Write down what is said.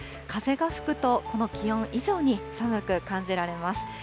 風が吹くと、この気温以上に寒く感じられます。